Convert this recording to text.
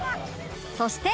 そして